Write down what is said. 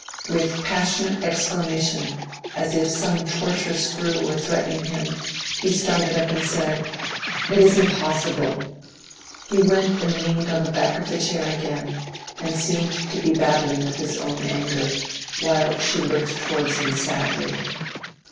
With passionate exclamation, as if some torture screw were threatening him, he started up and said, "It is impossible!" He went and leaned on the back of the chair again, and seemed to be battling with his own anger, while she looked towards him sadly.